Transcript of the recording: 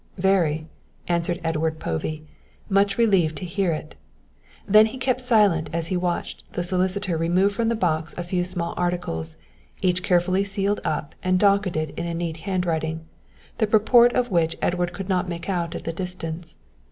"Very," answered Edward Povey, much relieved to hear it. Then he kept silent as he watched the solicitor remove from the box a few small articles, each carefully sealed up and docketed in a neat handwriting, the purport of which Edward could not make out at the distance.